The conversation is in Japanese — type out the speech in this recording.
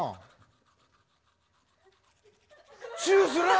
チューするん？